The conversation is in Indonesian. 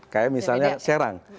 kayak misalnya serang